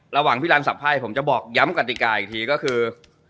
ระหว่างพี่รันสับไพ่ผมจะบอกย้ำกติกาอีกทีก็คือ